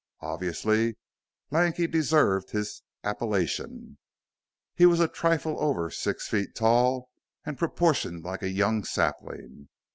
Obviously, Lanky deserved his appellation he was a trifle over six feet tall and proportioned like a young sapling.